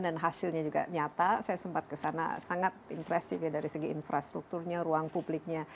dan hasilnya juga nyata saya sempat ke sana sangat impresif dari segi infrastrukturnya ruang publiknya